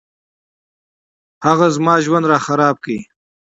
هغه زما ژوند راخراب کړو